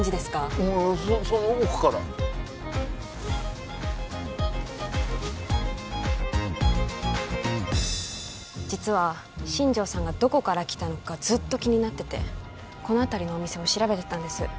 ああその奥から実は新庄さんがどこから来たのかずっと気になっててこの辺りのお店を調べてたんです